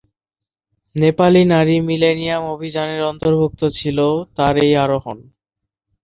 নেপালী নারী মিলেনিয়াম অভিযানের অন্তর্ভুক্ত ছিল তার এই আরোহণ।